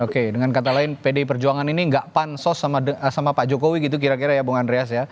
oke dengan kata lain pdi perjuangan ini nggak pansos sama pak jokowi gitu kira kira ya bung andreas ya